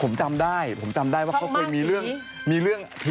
ผมจำได้ผมจำได้ว่าเขาเคยมีเรื่องมีเรื่อง